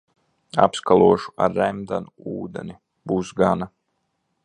Apskalošu ar remdenu ūdeni, būs gana.